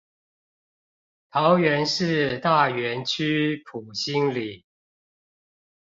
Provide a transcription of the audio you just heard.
桃園市大園區埔心里